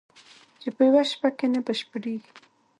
چې په یوه شپه کې نه بشپړېږي